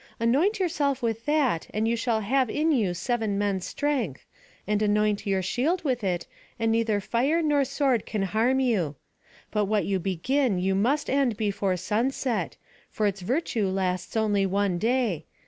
Anoint yourself with that, and you shall have in you seven men's strength; and anoint your shield with it, and neither fire nor sword can harm you. But what you begin you must end before sunset, for its virtue lasts only one day.